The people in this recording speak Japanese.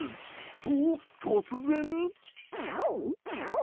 と、突然。